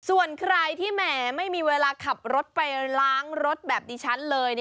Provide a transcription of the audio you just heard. ส่วนใครที่แหมไม่มีเวลาขับรถไปล้างรถแบบดิฉันเลย